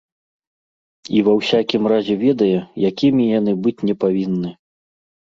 І ва ўсякім разе ведае, якімі яны быць не павінны.